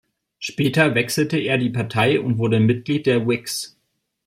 Später wechselte er die Partei und wurde Mitglied der Whigs.